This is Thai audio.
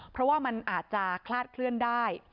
เพราะว่ามันอาจจะคลาดเคลื่อนได้